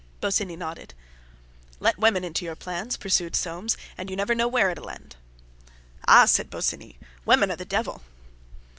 Bosinney nodded. "Let women into your plans," pursued Soames, "and you never know where it'll end." "Ah!" Said Bosinney, "women are the devil!"